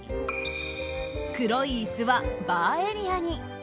黒い椅子は、バーエリアに。